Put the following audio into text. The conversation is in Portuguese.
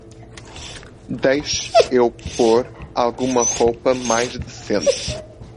Deixe eu por alguma roupa mais decente.